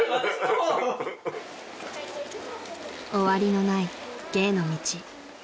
［終わりのない芸の道］